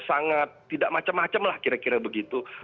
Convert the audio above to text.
sangat tidak macam macam lah kira kira begitu